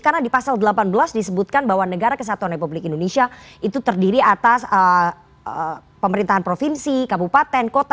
karena di pasal delapan belas disebutkan bahwa negara kesatuan republik indonesia itu terdiri atas pemerintahan provinsi kabupaten kota